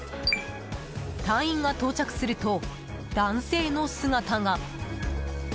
隊員が到着すると、男性の姿が。